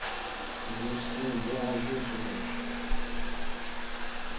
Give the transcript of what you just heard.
Et laissons. l’orageux feuillage